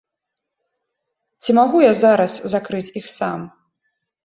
Ці магу я зараз закрыць іх сам?